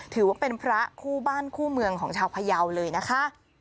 ถือว่าเป็นพระคู่บ้านคู่เมืองของชาวพยาวเลยนะคะ